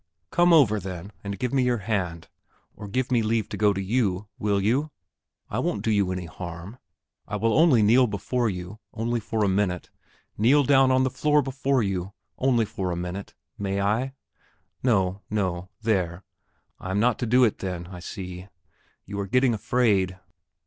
Come over, then, and give me your hand or give me leave to go to you, will you? I won't do you any harm; I will only kneel before you, only for a minute kneel down on the floor before you, only for a minute, may I? No, no; there, I am not to do it then, I see. You are getting afraid.